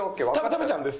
食べちゃうんです。